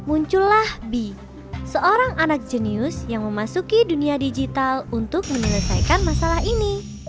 muncullah bi seorang anak jenius yang memasuki dunia digital untuk menyelesaikan masalah ini